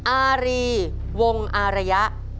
อารีวงอารยะ